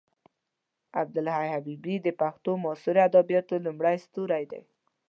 عبدالحی حبیبي د پښتو معاصرو ادبیاتو لومړی ستوری دی.